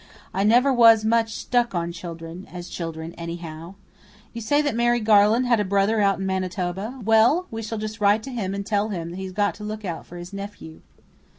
I never was much struck on children as children, anyhow. You say that Mary Garland had a brother out in Manitoba? Well, we shall just write to him and tell him he's got to look out for his nephew."